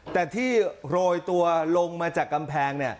แต่ที่โรยตัวลงมาจากกำแพง